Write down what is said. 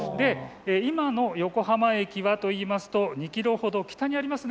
今の横浜駅はといいますと２キロほど北にあります。